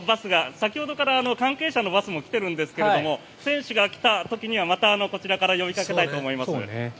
先ほどから関係者のバスも来ているんですけれど選手が来た時にはまたこちらから呼びかけたいと思います。